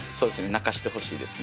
泣かしてほしいですね。